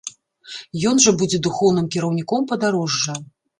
Ён жа будзе духоўным кіраўніком падарожжа.